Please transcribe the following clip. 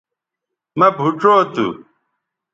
مہ بھوچو تھو